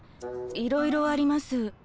いろいろあります。